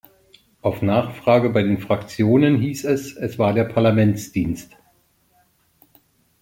Auf Nachfrage bei den Fraktionen hieß es, es war der Parlamentsdienst.